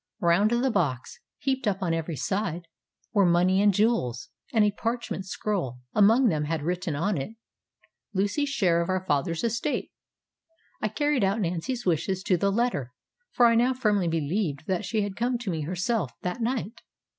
Round the box, heaped up on every side, were money and jewels, and a parchment scroll among them had written on it: ŌĆ£LucyŌĆÖs share of our fatherŌĆÖs estate. ŌĆØ I carried out NancyŌĆÖs wishes to the letter, for I now firmly believed that she had come to me herself that night.